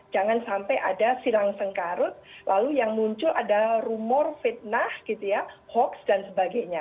jangan sampai ada silang sengkarut lalu yang muncul ada rumor fitnah gitu ya hoax dan sebagainya